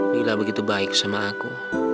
bila begitu baik sama aku